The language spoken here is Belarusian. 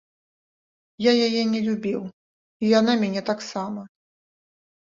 Я яе не любіў, і яна мяне таксама.